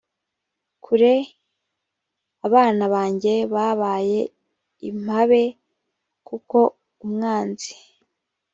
kure abana banjye babaye impabe kuko umwanzi